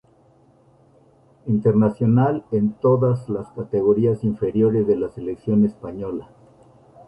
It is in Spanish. Internacional en todas las categorías inferiores de la selección española.